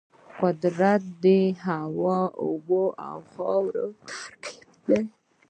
قدرت د هوا، اوبو او خاورو ترکیب دی.